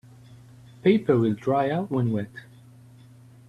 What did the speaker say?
Paper will dry out when wet.